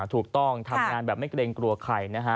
ถูกต้องทำงานแบบไม่เกรงกลัวใครนะฮะ